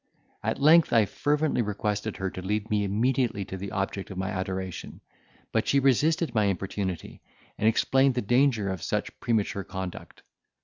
At length, I fervently requested her to lead me immediately to the object of my adoration; but she resisted my importunity, and explained the danger of such premature conduct.